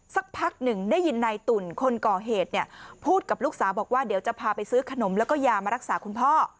สักพักหนึ่งได้ยินนายตุ่นคนก่อเหตุเนี่ยพูดกับลูกสาวบอกว่าเดี๋ยวจะพาไปซื้อขนมแล้วก็ยามารักษาคุณพ่อ